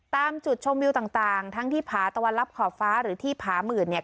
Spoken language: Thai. ตามจุดชมวิวต่างทั้งที่ผาตะวันรับขอบฟ้าหรือที่ผาหมื่นเนี่ย